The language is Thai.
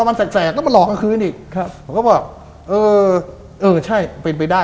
ผมก็บอกเออใช่เป็นไปด้าย